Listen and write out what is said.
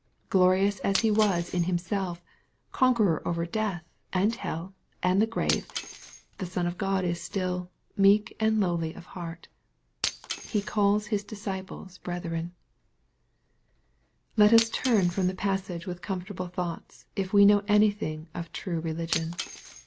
Glorious as He was in Himself, — a conqueror over death, and hell, and the grave, the Son of God is still " meek and lowly of heart." He calls His disciples " brethren." Lotus turn from the passage with comfortable thoughts, if we know anything of true religion.